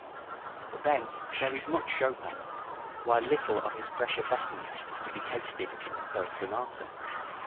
But then there is much Chopin, while little of his precious essence is to be tasted in the first sonata.